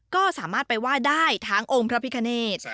ก็สามารถไปไหว้ได้ทั้งองค์พระพิคเนธ